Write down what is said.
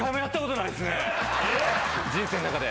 人生の中で。